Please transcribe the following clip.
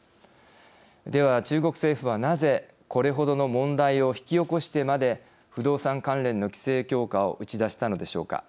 では、中国政府はなぜ、これほどの問題を引き起こしてまで不動産関連の規制強化を打ち出したのでしょうか。